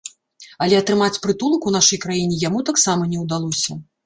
Але атрымаць прытулак у нашай краіне яму таксама не ўдалося.